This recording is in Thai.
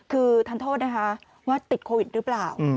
คือทันโทษนะคะว่าติดโควิดหรือเปล่า